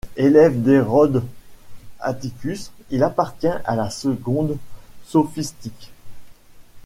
Élève d'Hérode Atticus, il appartient à la Seconde Sophistique.